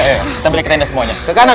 kita balik ke tenda semuanya